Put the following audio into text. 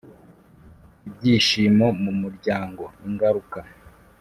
ibyishimo mu muryango Ingaruka